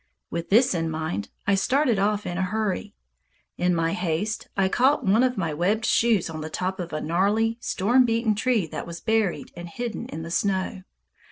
With this in mind, I started off in a hurry. In my haste I caught one of my webbed shoes on the top of a gnarly, storm beaten tree that was buried and hidden in the snow.